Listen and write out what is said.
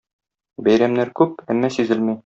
Бәйрәмнәр күп, әмма сизелми.